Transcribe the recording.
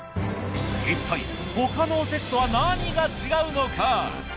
いったい他のおせちとは何が違うのか？